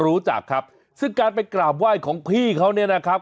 รู้จักครับซึ่งการไปกราบไหว้ของพี่เขาเนี่ยนะครับ